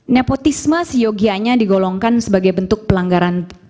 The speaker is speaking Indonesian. nepotisme siogianya digolongkan sebagai bentuk pelanggaran